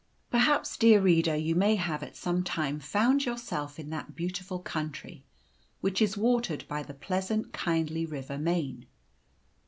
Perhaps, dear reader, you may have at some time found yourself in that beautiful country which is watered by the pleasant, kindly river Main.